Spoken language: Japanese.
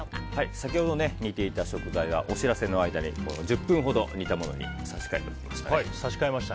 先ほど煮ていた食材はお知らせの間に１０分ほど煮たものに差し替えておきました。